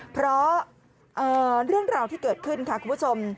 เพราะเรื่องราวที่เกิดขึ้นค่ะคุณผู้ชม